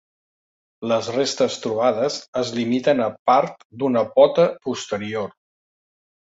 Les restes trobades es limiten a part d'una pota posterior.